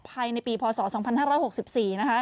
ภายในปีพศ๒๕๖๔นะคะ